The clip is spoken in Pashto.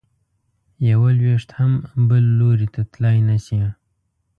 یو لویشت هم بل لوري ته تلی نه شې.